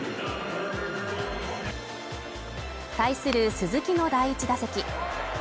対する鈴木の第１打席。